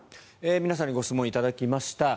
皆さんにご質問頂きました。